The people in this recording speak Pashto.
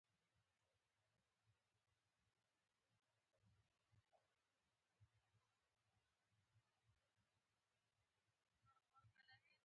د هونټریج چانس د پام وړ دی.